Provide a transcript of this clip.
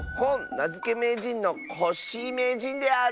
なづけめいじんのコッシーめいじんである。